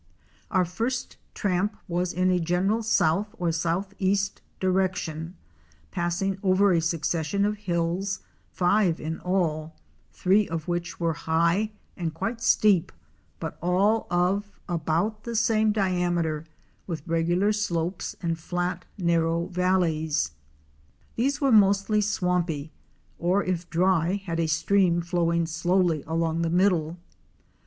Our first tramp was in a general south or southeast direc tion, passing over a succession of hills, five in all, three of which were high and quite steep, but all of about the same diameter with regular slopes and flat, narrow valleys. These were mostly swampy, or if dry had a stream flowing slowly along the middle.